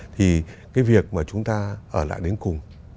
thì cái việc mà chúng ta ở lại đến cùng